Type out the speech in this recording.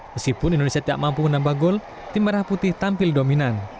meskipun indonesia tidak mampu menambah gol tim merah putih tampil dominan